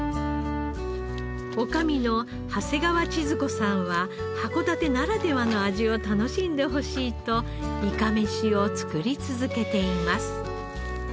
女将の長谷川千鶴子さんは函館ならではの味を楽しんでほしいといかめしを作り続けています。